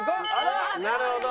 なるほど。